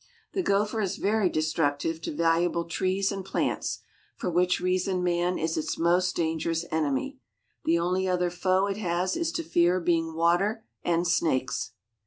The gopher is very destructive to valuable trees and plants, for which reason man is its most dangerous enemy, the only other foes it has to fear being water and snakes.